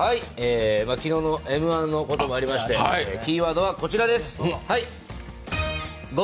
昨日のＭ−１のこともありまして、キーワードはこちらです。